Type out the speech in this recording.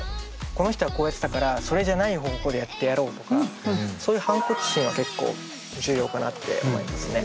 この人はこうやってたからそれじゃない方法でやってやろうとかそういう反骨心は結構重要かなって思いますね。